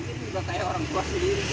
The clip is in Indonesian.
ini aja kayak gerobak